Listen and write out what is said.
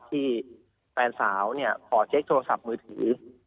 ที่แฟนสาวขอเช็คโทรศัพท์มือถือ